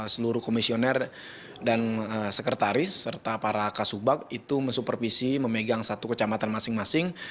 seluruh komisioner dan sekretaris serta para kasubag itu mensupervisi memegang satu kecamatan masing masing